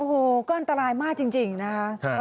โอ้โหก็อันตรายมากจริงนะคะ